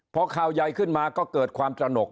พอข่าวใหญ่ขึ้นมาก็เกิดความตระหนก